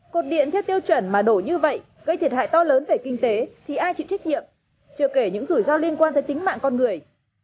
cột điện theo tiêu chuẩn mà đổ như vậy gây thiệt hại to lớn về kinh tế thì ai chịu trách nhiệm chưa kể những rủi ro liên quan tới tính mạng con người